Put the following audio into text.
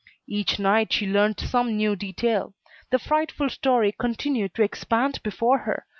Each night, she learnt some new detail. The frightful story continued to expand before her.